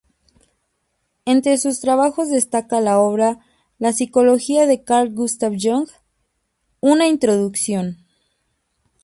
Entre sus trabajos destaca la obra "La psicología de Carl Gustav Jung: una introducción".